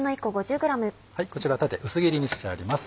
こちら縦薄切りにしてあります。